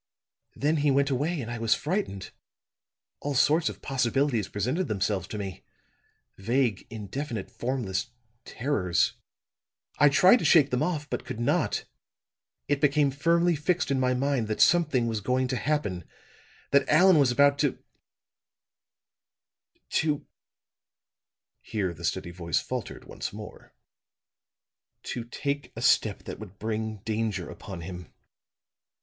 "Then he went away, and I was frightened. All sorts of possibilities presented themselves to me vague, indefinite, formless terrors. I tried to shake them off, but could not. It became firmly fixed in my mind that something was going to happen that Allan was about to to " here the steady voice faltered once more, "to take a step that would bring danger upon him.